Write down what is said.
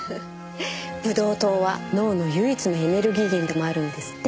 ブドウ糖は脳の唯一のエネルギー源でもあるんですって。